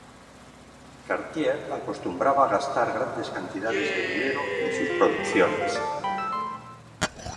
Cartier acostumbraba gastar grandes cantidades de dinero en sus producciones.